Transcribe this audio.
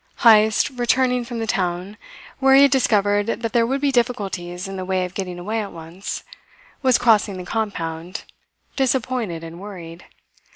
Heyst, returning from the town, where he had discovered that there would be difficulties in the way of getting away at once, was crossing the compound, disappointed and worried.